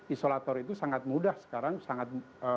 isolator itu sangat mudah sekarang sangat